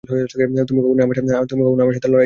তুমি কখনোই আমার সাথে লড়াই করোনি।